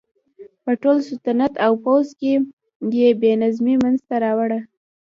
په ټول سلطنت او پوځ کې یې بې نظمي منځته راوړه.